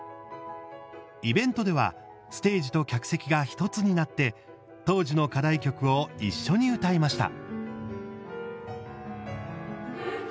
イベントではステージと客席が１つになって当時の課題曲を一緒に歌いました。